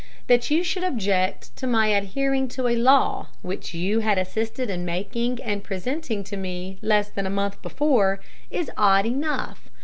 That you should object to my adhering to a law which you had assisted in making and presenting to me, less than a month before, is odd enough.